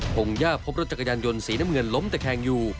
งย่าพบรถจักรยานยนต์สีน้ำเงินล้มตะแคงอยู่